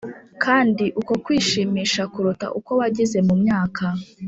kandi uku kwishimisha kuruta uko wagize mumyaka.